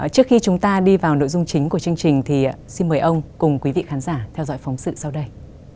trước khi chúng ta đi vào nội dung chính của chương trình thì xin mời ông cùng quý vị khán giả theo dõi phóng sự sau đây